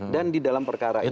dan di dalam perkara itu